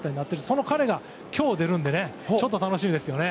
その彼が、今日出るのでちょっと楽しみですね。